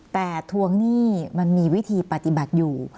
แต่ทวงหนี้มันมีวิธีปฏิบัติอยู่